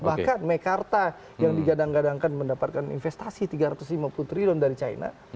bahkan mekarta yang digadang gadangkan mendapatkan investasi rp tiga ratus lima puluh triliun dari china